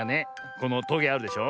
このトゲあるでしょ。